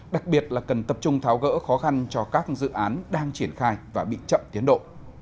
đặc biệt là cần tập trung tháo gỡ khó khăn cho các dự án đang triển khai và bị chậm tiến độ